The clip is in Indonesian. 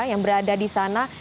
yang berada di sana